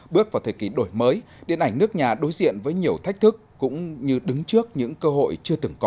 bước vào thời kỳ đổi mới điện ảnh nước nhà đối diện với nhiều thách thức cũng như đứng trước những cơ hội chưa từng có